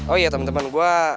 oh iya temen temen gue